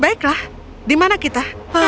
baiklah di mana kita